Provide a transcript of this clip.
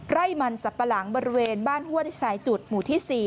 ไร่มันสับปะหลังบริเวณบ้านห้วยสายจุดหมู่ที่๔